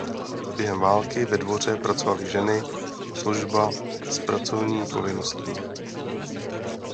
Během války ve dvoře pracovaly ženy a služba s pracovní povinností.